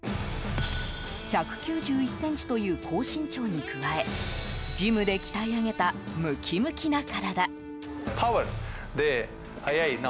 １９１ｃｍという高身長に加えジムで鍛え上げたムキムキな体。